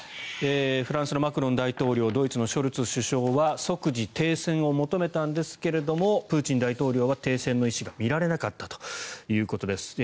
フランスのマクロン大統領ドイツのショルツ首相は即時停戦を求めたんですがプーチン大統領は停戦の意思が見られなかったということです。